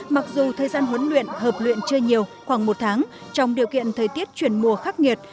mặc dù thời gian huấn luyện hợp luyện chưa nhiều khoảng một tháng trong điều kiện thời tiết chuyển mùa khắc nghiệt